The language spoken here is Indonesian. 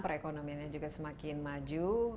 perekonomiannya juga semakin maju